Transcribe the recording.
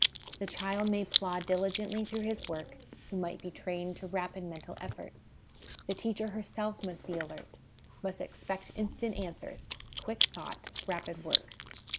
The ch'.ld may //^diligently through his work who might be trained to rapid mental effort. The teacher herself must be alert, must expect instant answers, quick thought, rapid work.